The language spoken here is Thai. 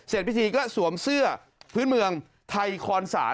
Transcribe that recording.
เสร็จพิธีก็สวมเสื้อพื้นเมื่องถ่ายคอนสาน